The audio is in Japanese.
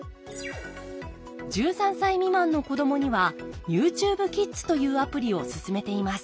１３歳未満の子どもにはＹｏｕＴｕｂｅＫｉｄｓというアプリを勧めています。